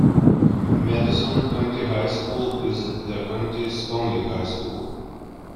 Madison County High School is the county's only High School.